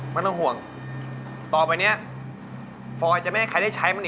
ไม่ต้องห่วงต่อไปเนี่ยฟอยจะไม่ให้ใครได้ใช้บ้าง